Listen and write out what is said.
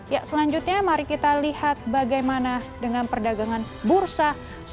ya selanjutnya mari kita lihat bagaimana dengan perdagangan bursa